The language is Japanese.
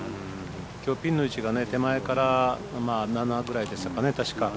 きょうピンの位置が手前から７ぐらいでしたかね、確か。